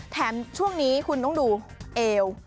แถมช่วงนี้คุณต้องดูเอว